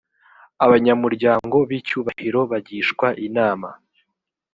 abanyamuryango b icyubahiro bagishwa inama